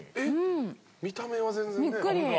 見た目は全然ね。